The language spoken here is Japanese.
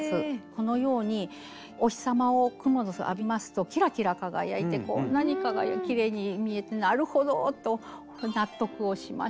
このようにお日様をクモの巣浴びますとキラキラ輝いてこんなにきれいに見えてなるほどと納得をしました。